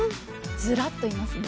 ずらっといますね。